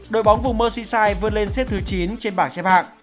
đội bóng vùng mơssishai vươn lên xếp thứ chín trên bảng xếp hạng